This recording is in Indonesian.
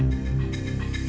ah bener kan